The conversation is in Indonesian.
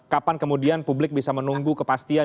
kapan kemudian publik bisa menunggu kepastian